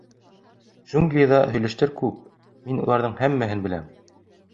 — Джунглиҙа һөйләштәр күп, мин уларҙың һәммәһен беләм.